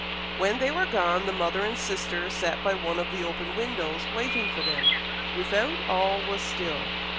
When they were gone, the mother and sister sat by one of the open windows, waiting for them. Without all was still.